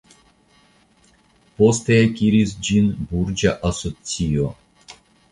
Poste akiris ĝin burĝa asocio.